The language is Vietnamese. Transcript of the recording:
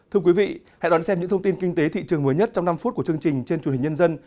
thưa quý vị hãy đón xem những thông tin kinh tế thị trường mới nhất trong năm phút của chương trình trên truyền hình nhân dân